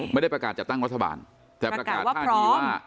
ไม่ได้ประกาศจัดตั้งรัฐบาลแต่ประกาศท่าทีว่า